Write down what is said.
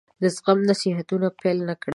د زغم نصيحتونه پیل نه کړي.